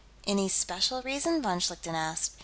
"Any special reason?" von Schlichten asked.